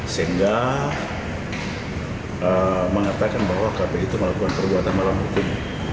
sehingga mengatakan bahwa kpu itu melakukan perbuatan melawan hukum